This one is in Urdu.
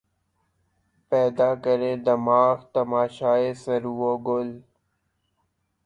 پیدا کریں دماغ تماشائے سَرو و گل